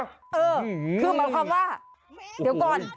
เออคือหมายความว่าเดี๋ยวก่อน